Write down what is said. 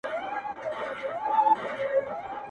بهرنۍ چورلکي سيمه څاري او انځورونه اخلي هوا-